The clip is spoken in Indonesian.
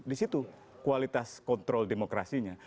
disitu kualitas kontrol demokrasinya